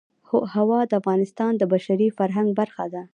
هوا د افغانستان د بشري فرهنګ برخه ده.